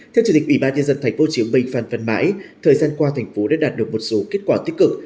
theo chủ tịch ủy ban nhân dân tp hcm phan văn mãi thời gian qua thành phố đã đạt được một số kết quả tích cực